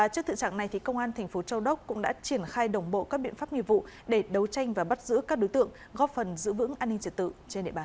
trước thực trạng này công an thành phố châu đốc cũng đã triển khai đồng bộ các biện pháp nghiệp vụ để đấu tranh và bắt giữ các đối tượng góp phần giữ vững an ninh trật tự trên địa bàn